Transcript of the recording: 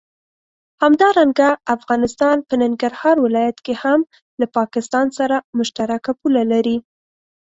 همدارنګه افغانستان په ننګرهار ولايت کې هم له پاکستان سره مشترکه پوله لري.